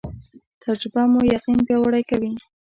تجربه مو یقین پیاوړی کوي